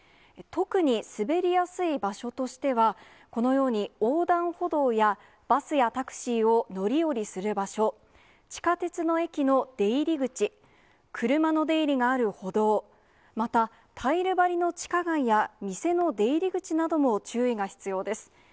特に滑りやすい場所としては、このように横断歩道や、バスやタクシーを乗り降りする場所、地下鉄の駅の出入り口、車の出入りがある歩道、またタイル張りの地下街や店の出入り口なども注意が必要です。